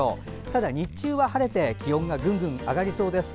ただ、日中は晴れて気温がぐんぐん上がりそうです。